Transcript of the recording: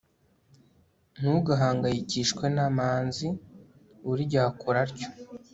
ntugahangayikishwe na manzi. buri gihe akora atyo